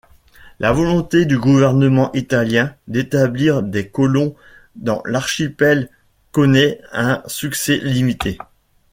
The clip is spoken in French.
La volonté du gouvernement italien d'établir des colons dans l'archipel connaît un succès limité.